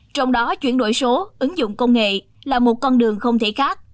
trong đó chuyển đổi số ứng dụng công nghệ là một con đường không thể khác